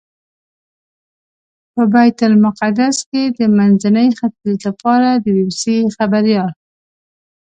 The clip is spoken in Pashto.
په بیت المقدس کې د منځني ختیځ لپاره د بي بي سي خبریال.